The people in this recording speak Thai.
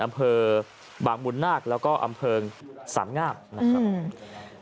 อำเภอบางบุญนาคแล้วก็อำเภอสามงามนะครับอืม